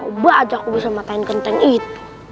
coba aja aku bisa matain kenteng itu